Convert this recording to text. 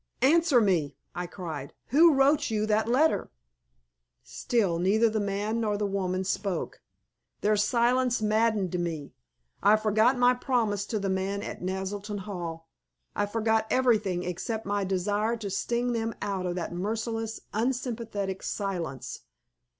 "Answer me!" I cried. "Who wrote you that letter?" Still neither the man nor the woman spoke. Their silence maddened me. I forgot my promise to the man at Naselton Hall. I forgot everything except my desire to sting them out of that merciless, unsympathetic silence.